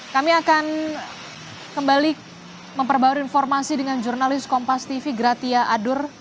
kami akan kembali memperbarui informasi dengan jurnalis kompas tv gratia adur